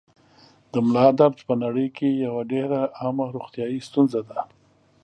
د ملا درد په نړۍ کې یوه ډېره عامه روغتیايي ستونزه ده.